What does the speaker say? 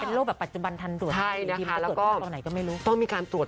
เป็นโลกแบบปัจจุบันทันตรวจ